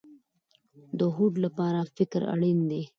د هوډ لپاره فکر اړین دی